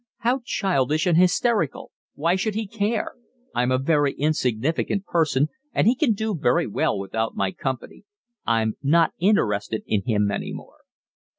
"How childish and hysterical! Why should he care? I'm a very insignificant person, and he can do very well without my company. I'm not interested in him any more."